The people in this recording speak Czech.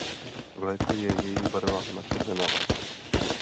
V létě je jejich barva načervenalá.